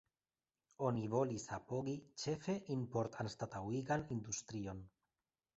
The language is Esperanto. Oni volis apogi ĉefe importanstataŭigan industrion.